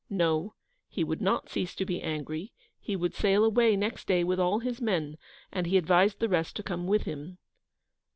No; he would not cease to be angry, he would sail away next day with all his men, and he advised the rest to come with him.